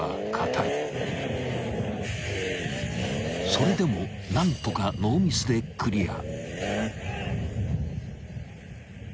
［それでも何とかノーミスでクリア］